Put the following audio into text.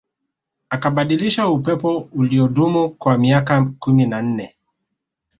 Akabadilisha upepo uliodumu kwa miaka kumi na nne